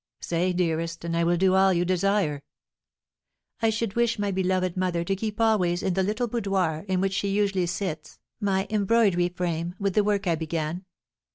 "Say, dearest, and I will do all you desire." "I should wish my beloved mother to keep always in the little boudoir in which she usually sits my embroidery frame, with the work I began."